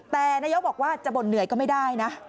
แต่นายกบอกว่าจะบ่นเหนื่อยก็ไม่ได้นะ